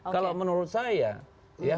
kalau menurut saya